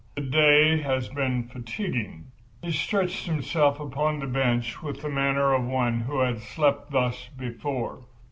The day has been fatiguing." He stretched himself upon a bench with the manner of one who had slept thus before.